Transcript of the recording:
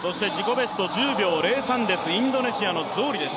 ベスト１０秒０３です、インドネシアのゾーリです。